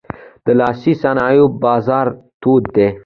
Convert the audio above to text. د لاسي صنایعو بازار تود دی.